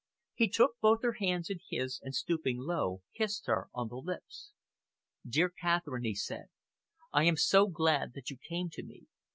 He took both her hands in his, and, stooping down, kissed her on the lips. "Dear Catherine," he said, "I am so glad that you came to me.